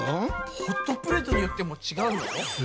ホットプレートによってもちがうの？